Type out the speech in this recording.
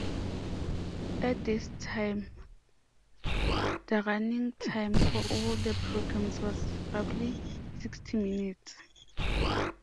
At this time the running time for all the programs was roughly sixty minutes.